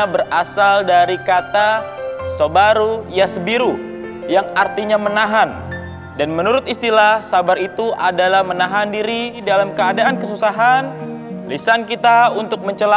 waalaikumsalam warahmatullahi wabarakatuh